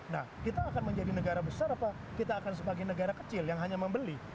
nah kita akan menjadi negara besar apa kita akan sebagai negara kecil yang hanya membeli